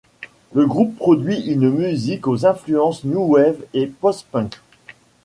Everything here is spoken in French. Le groupe produit une musique aux influences new wave et post-punk.